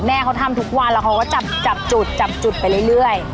แม่เขาทำทุกวันแล้วเขาก็จับจุดจับจุดไปเรื่อย